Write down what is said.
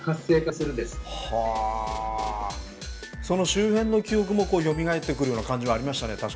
その周辺の記憶もよみがえってくるような感じはありましたね